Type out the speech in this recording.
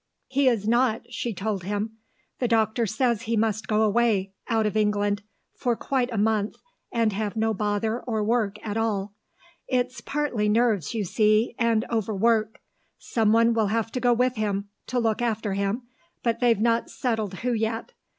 "He is not," she told him. "The doctor says he must go away out of England for quite a month, and have no bother or work at all. It's partly nerves, you see, and over work. Someone will have to go with him, to look after him, but they've not settled who yet.